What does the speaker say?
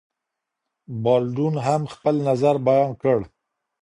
بالډون هم خپل نظر بیان کړ.